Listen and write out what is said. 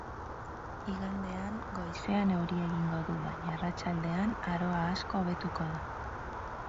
Igandean, goizean euria egingo du baina arratsaldean aroa asko hobetuko da.